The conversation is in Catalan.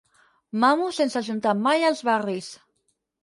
Mamo sense ajuntar mai els barris.